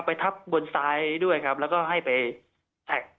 ไปทับบนซ้ายด้วยครับแล้วก็ให้ไปแท็ก